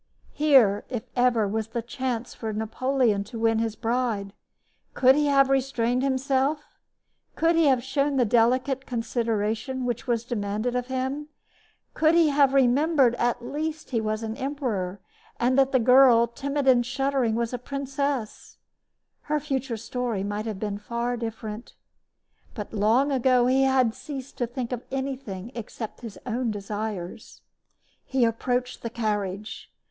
Here, if ever, was the chance for Napoleon to win his bride. Could he have restrained himself, could he have shown the delicate consideration which was demanded of him, could he have remembered at least that he was an emperor and that the girl timid and shuddering was a princess, her future story might have been far different. But long ago he had ceased to think of anything except his own desires. He approached the carriage.